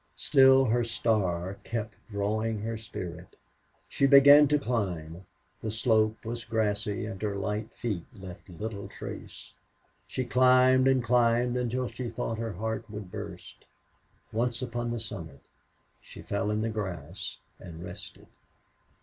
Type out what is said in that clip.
Still, her star kept drawing her spirit. She began to climb. The slope was grassy, and her light feet left little trace. She climbed and climbed until she thought her heart would burst. Once upon the summit, she fell in the grass and rested.